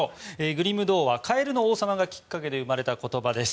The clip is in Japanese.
グリム童話「かえるの王さま」がきっかけで生まれた言葉です。